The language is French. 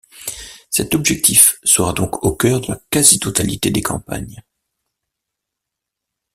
Cet objectif sera donc au cœur de la quasi-totalité des campagnes.